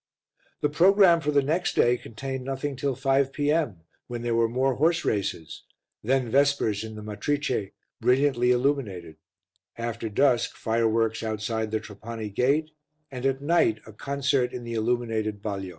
The programme for the next day contained nothing till 5 p.m., when there were more horse races, then Vespers in the Matrice, brilliantly illuminated; after dusk fireworks outside the Trapani Gate, and at night a concert in the illuminated balio.